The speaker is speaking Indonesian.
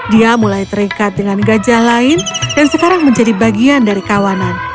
dia mulai terikat dengan gajah lain dan sekarang menjadi bagian dari kawanan